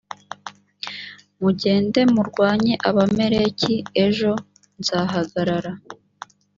mugende murwanye abamaleki ejo nzahagarara